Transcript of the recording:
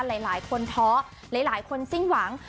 หลายหลายคนท้อหลายหลายคนซิ่งหวัง